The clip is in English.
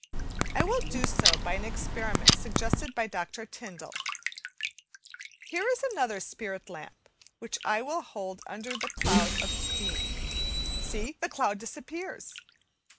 I will do so by an experiment suggested by Dr. Tyndall. Here is another spirit lamp, which I will hold under the cloud of steam see! the cloud disappears!